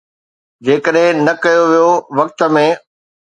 جيڪڏهن نه ڪيو ويو، وقت ۾